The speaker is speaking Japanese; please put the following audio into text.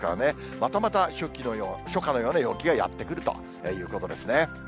またまた初夏のような陽気がやって来るということですね。